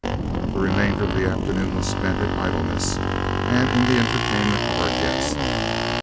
The remainder of the afternoon was spent in idleness and in the entertainment of our guest.